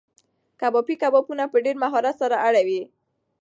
کبابي کبابونه په ډېر مهارت سره اړوي.